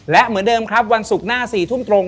และเหมือนเดิมครับวันศุกร์หน้า๔ทุ่มตรง